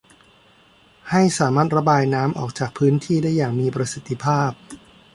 ให้สามารถระบายน้ำออกจากพื้นที่ได้อย่างมีประสิทธิภาพ